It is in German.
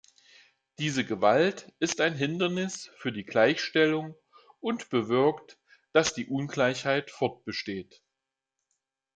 Diese Gewalt ist ein Hindernis für die Gleichstellung und bewirkt, dass die Ungleichheit fortbesteht.